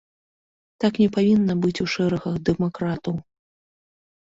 Так не павінна быць у шэрагах дэмакратаў!